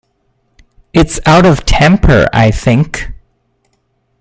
It’s out of temper, I think.